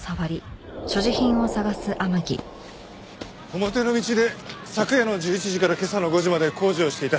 表の道で昨夜の１１時から今朝の５時まで工事をしていた。